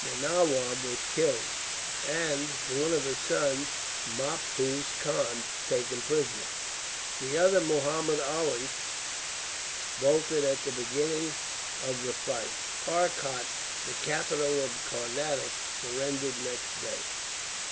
The nawab was killed, and one of his sons, Maphuz Khan, taken prisoner. The other, Muhammud Ali, bolted at the beginning of the fight. Arcot, the capital of the Carnatic, surrendered next day.